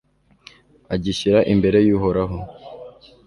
agishyira imbere y'uhoraho